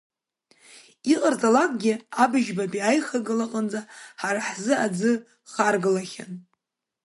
Иҟарҵалакгьы абжьбатәи аихагыла аҟынӡа ҳара ҳзы аӡы харгалахьан.